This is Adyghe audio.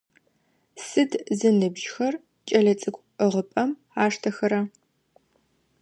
Сыд зыныбжьыхэр кӏэлэцӏыкӏу ӏыгъыпӏэм аштэхэра?